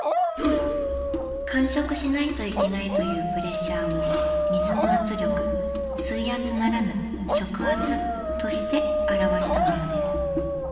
完食しないといけないというプレッシャーを水の圧力水圧ならぬ食圧として表したものです。